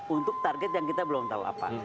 untuk target yang kita belum tahu apa